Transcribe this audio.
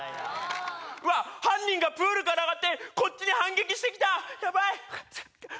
うわっ犯人がプールからあがってこっちに反撃してきたヤバい！